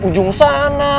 di ujung sana